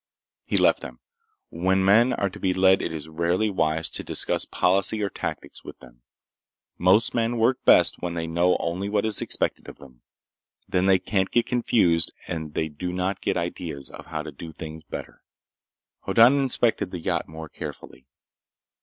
He left them. When men are to be led it is rarely wise to discuss policy or tactics with them. Most men work best when they know only what is expected of them. Then they can't get confused and they do not get ideas of how to do things better. Hoddan inspected the yacht more carefully.